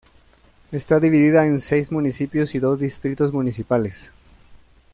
Está dividida en seis municipios y dos distritos municipales.